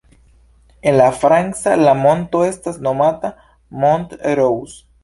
En la franca, la monto estas nomata "Mont Rose".